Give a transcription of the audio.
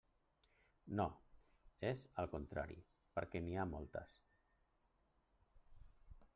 No, és, al contrari, perquè n'hi ha moltes.